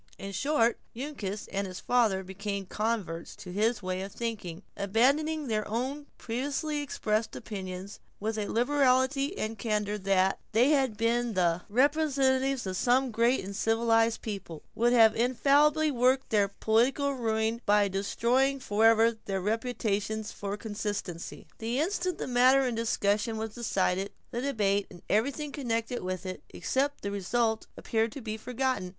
In short, Uncas and his father became converts to his way of thinking, abandoning their own previously expressed opinions with a liberality and candor that, had they been the representatives of some great and civilized people, would have infallibly worked their political ruin, by destroying forever their reputation for consistency. The instant the matter in discussion was decided, the debate, and everything connected with it, except the result appeared to be forgotten.